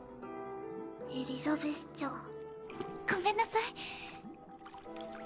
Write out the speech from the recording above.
エリザベスちゃん。ごめんなさい。